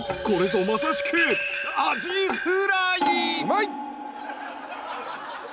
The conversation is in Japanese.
これぞまさしくうまい！